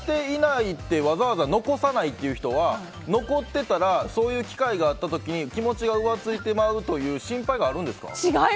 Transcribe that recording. わざわざ残さないっていう人は残っていたらそういう機会があった時に気持ちが浮ついてしまうという心配があるんですか？